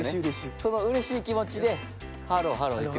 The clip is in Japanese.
そのうれしい気持ちでハローハローいってください。